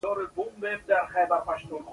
څوک چې یار له غېږې ځي د مرګ ساعت وي.